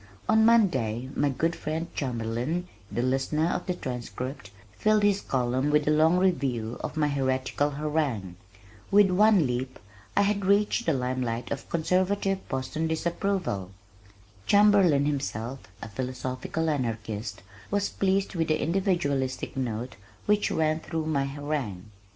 On Monday my good friend Chamberlin, The Listener of The Transcript filled his column with a long review of my heretical harangue. With one leap I had reached the lime light of conservative Boston's disapproval! Chamberlin, himself a "philosophical anarchist," was pleased with the individualistic note which ran through my harangue.